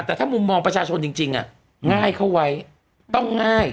แต่ถ้ามุมมองประชาชนจริงง่ายเข้าไว้ต้องง่าย